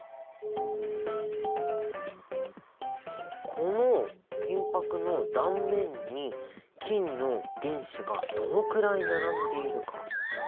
この金ぱくの断面に金の原子がどのくらい並んでいるか。